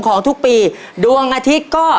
ของทุกปีดวงอาทิตย์ก็